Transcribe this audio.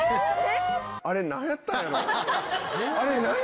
あれ何やったんやろう？